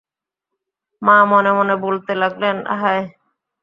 মা মনে মনে বলতে লাগলেন, হায়!